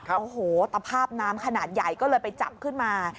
โอ้โหตภาพน้ำขนาดใหญ่ก็เลยไปจับขึ้นมา